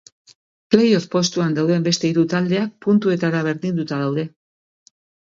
Play-off postuan dauden beste hiru taldeak puntuetara berdinduta daude.